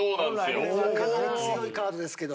これはかなり強いカードですけど。